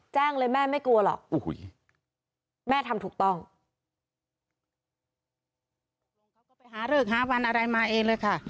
แจ้งเลยแม่ไม่กลัวหรอก